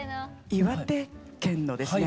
岩手県のですね